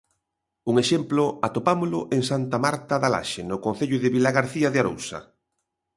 Un exemplo atopámolo en Santa Marta da Laxe, no concello de Vilagarcía de Arousa.